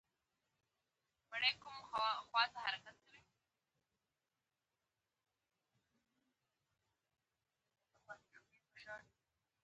په ازادي راډیو کې د هنر اړوند معلومات ډېر وړاندې شوي.